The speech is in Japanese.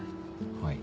はい。